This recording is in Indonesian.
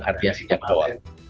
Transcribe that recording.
harga sejak awal